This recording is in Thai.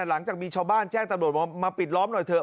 หลังจากมีชาวบ้านแจ้งตำรวจว่ามาปิดล้อมหน่อยเถอ